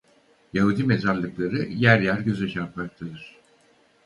Yahudi mezarlıkları yer yer göze çarpmaktadır.